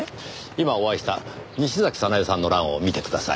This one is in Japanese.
今お会いした西崎早苗さんの欄を見てください。